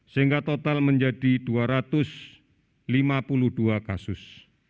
sehingga total menjadi dua ratus lima puluh dua kasus